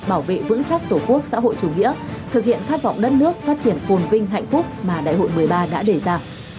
bảo vệ vững chắc tổ quốc xã hội chủ nghĩa thực hiện khát vọng đất nước phát triển phồn vinh hạnh phúc mà đại hội một mươi ba đã đề ra